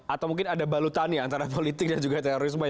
atau mungkin ada balutannya antara politik dan juga terorisme